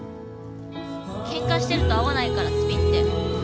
ケンカしてると合わないからスピンって。